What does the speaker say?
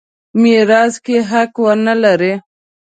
میراث کې حق ونه لري.